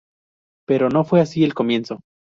Pero no fue así al comienzo.